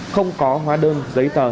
không có hóa đơn giấy tờ